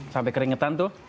sampai keringetan tuh